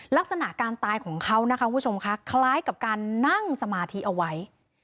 ลักษณะการตายของเขานะคะคุณผู้ชมค่ะคล้ายกับการนั่งสมาธิเอาไว้